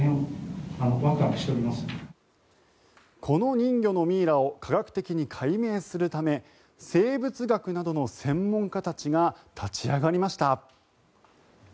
この人魚のミイラを科学的に解明するため生物学などの専門家たちが立ち上がりました。